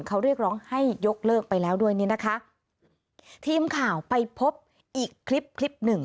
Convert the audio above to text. เขาเรียกร้องให้ยกเลิกไปแล้วด้วยนี่นะคะทีมข่าวไปพบอีกคลิปคลิปหนึ่ง